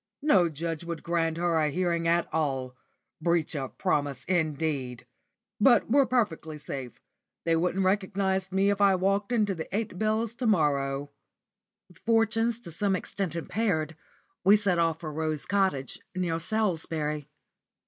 No judge would grant her a hearing at all. Breach of promise indeed! But we're perfectly safe, they wouldn't recognise me if I walked into the Eight Bells to morrow." With fortunes to some extent impaired we set off for Rose Cottage, near Salisbury.